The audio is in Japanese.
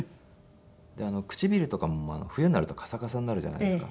で唇とかも冬になるとカサカサになるじゃないですか。